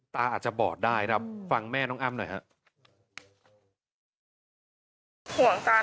ตาอาจจะบอดได้ครับฟังแม่น้องอ้ำหน่อยครับ